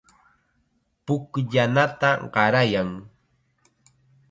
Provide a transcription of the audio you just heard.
Pukllanata qarayan.